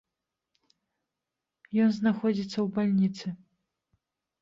Ён знаходзіцца ў бальніцы.